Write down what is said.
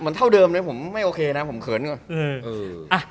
เหมือนเท่าเดิมเลยผมไม่โอเคนะผมเขินกว่า